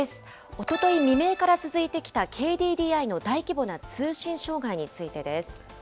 おととい未明から続いてきたＫＤＤＩの大規模な通信障害についてです。